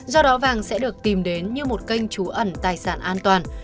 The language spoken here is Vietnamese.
do đó vàng sẽ được tìm đến như một kênh trú ẩn tài sản an toàn